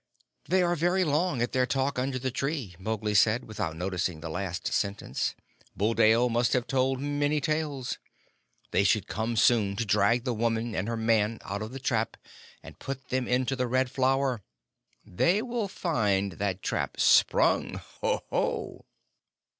"They are very long at their talk under the tree," Mowgli said, without noticing the last sentence. "Buldeo must have told many tales. They should come soon to drag the woman and her man out of the trap and put them into the Red Flower. They will find that trap sprung. Ho! ho!"